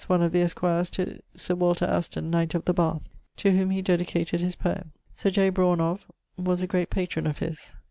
one of the esquires to Sir Walter Aston, Knight of the Bath, to whom he dedicated his Poeme. Sir J. Brawne of ... was a great patron of his.